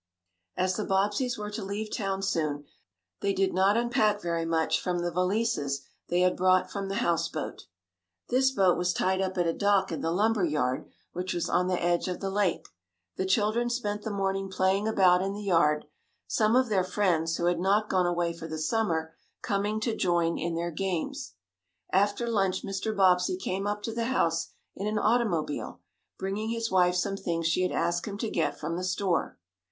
As the Bobbseys were to leave town soon, they did not unpack very much from the valises they had brought from the houseboat. This boat was tied up at a dock in the lumber yard, which was on the edge of the lake. The children spent the morning playing about in the yard, some of their friends, who had not gone away for the summer, coming to join in their games. After lunch Mr. Bobbsey came up to the house in an automobile, bringing his wife some things she had asked him to get from the store.